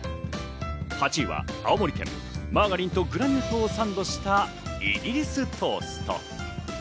８位は青森県、マーガリンとグラニュー糖をサンドしたイギリストースト。